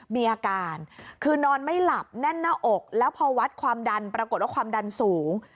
มีอาการคือนอนไม่หลับแน่นหน้าอกแล้วพอวัดความดันปรากฏว่าความดันสูง